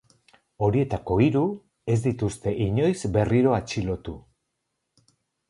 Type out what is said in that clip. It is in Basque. Horietako hiru ez dituzte inoiz berriro atxilotu.